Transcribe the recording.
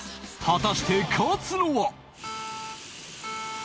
果たして勝つのは？